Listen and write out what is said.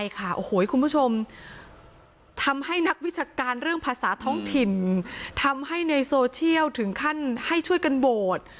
คุณผู้ชมทำให้นักวิชาการเรื่องภาษาท้องถิ่นทำให้ในโซเชียลถึงขั้นให้ช่วยกันโหวต